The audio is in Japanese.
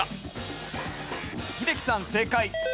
英樹さん正解。